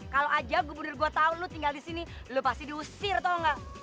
kalau aja gubernur gue tau lo tinggal disini lo pasti diusir tau gak